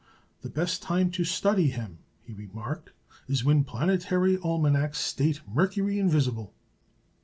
"The best time to study him," he remarked, "is when planetary almanacs state 'Mercury invisible.'"